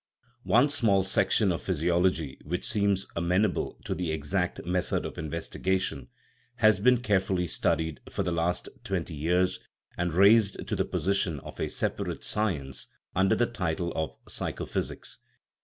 One small section of physiology, which seems amen able to the " exact " method of investigation, has been carefully studied for the last twenty years and raised to the position of a separate science under the title of psycho physics.